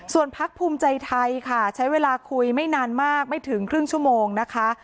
ส่วนพักภูมิใจไทยค่ะใช้เวลาคุยไม่นานมากไม่ถึงครึ่งชั่วโมงนะคะ